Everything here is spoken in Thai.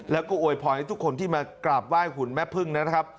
แล้วก็โวยพรให้ทุกคนที่มากราบไหว้หุ่นแม่พึ่งนะครับ